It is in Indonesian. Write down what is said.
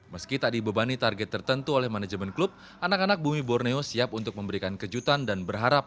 meski tak dibebani target tertentu oleh manajemen klub anak anak bumi borneo siap untuk memberikan kejutan dan berharap